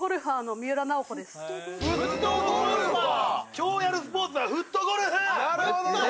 今日やるスポーツ、フットゴルフ。